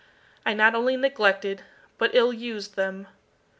I not only neglected but ill used them.